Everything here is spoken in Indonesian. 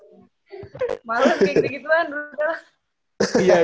malah kayak gitu gitulah